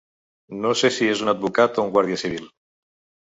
No sé si és un advocat o un guàrdia civil.